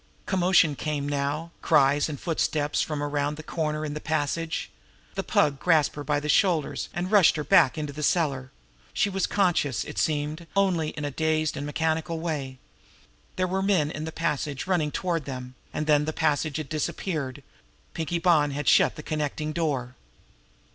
Commotion came now; cries and footsteps from around that corner in the passage. The Pug grasped her by the shoulders, and rushed her back into the cellar. She was conscious, it seemed, only in a dazed and mechanical way. There were men in the passage running toward them and then the passage had disappeared. Pinkie Bonn had shut the connecting door.